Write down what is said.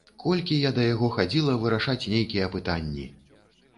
Колькі я да яго хадзіла вырашаць нейкія пытанні!